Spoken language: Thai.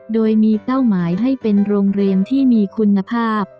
โดยมีเป้าหมายให้เป็นโรงเรียนที่มีคุณภาพ